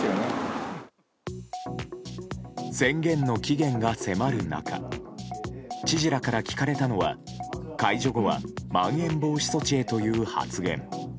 宣言の期限が迫る中知事らから聞かれたのは解除後はまん延防止措置へという発言。